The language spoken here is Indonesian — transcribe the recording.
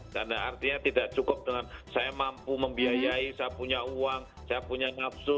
dan artinya tidak cukup dengan saya mampu membiayai saya punya uang saya punya nafsu